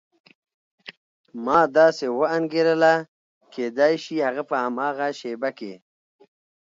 ما داسې وانګېرله کېدای شي هغه په هماغه شېبه کې.